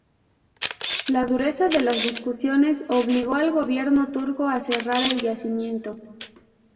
La dureza de las discusiones obligó al gobierno turco a cerrar el yacimiento.